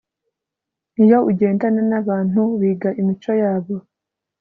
iyo ujyendana nabantu wiga imico yabo